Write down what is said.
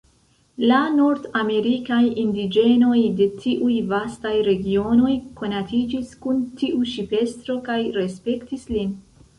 La nordamerikaj indiĝenoj de tiuj vastaj regionoj konatiĝis kun tiu ŝipestro kaj respektis lin.